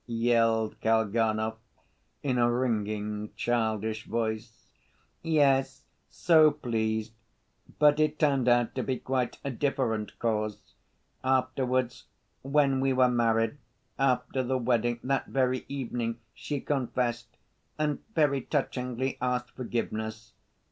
yelled Kalganov, in a ringing, childish voice. "Yes, so pleased. But it turned out to be quite a different cause. Afterwards, when we were married, after the wedding, that very evening, she confessed, and very touchingly asked forgiveness.